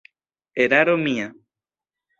Eraro mia!